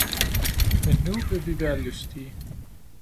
Men nu vil vi være lystige!